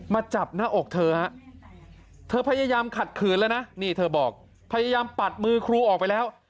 จับหน้าอกเธอฮะเธอพยายามขัดขืนแล้วนะนี่เธอบอกพยายามปัดมือครูออกไปแล้ว